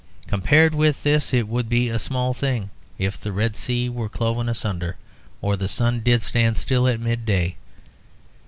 Compared with this, it would be a small thing if the Red Sea were cloven asunder, or the sun did stand still at midday.